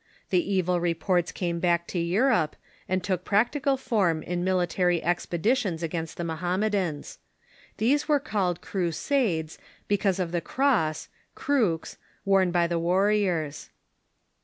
The evil re ports came back to Europe, and took practical form in mili tary expeditions against the Mohammedans. These were called Crusades because of the cross {crux) worn by the warriors.